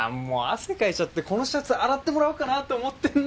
もう汗かいちゃってこのシャツ洗ってもらおうかなと思って。